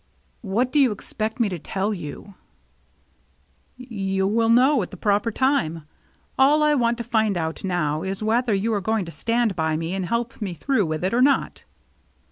" What do you expect me to tell you ?"" You will know at the proper time. All I want to find out now is whether you are going to stand by me and help me through with it or not."